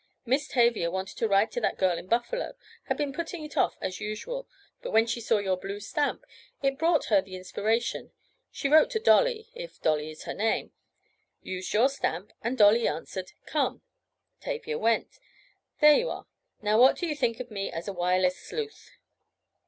Miss Tavia wanted to write to that girl in Buffalo—had been putting it off as usual—and when she saw your blue stamp it brought her the inspiration. She wrote to 'Dolly,' if Dolly is her name, used your stamp, and 'Dolly' answered 'come.' Tavia went. There you are. Now what do you think of me as a wireless sleuth?"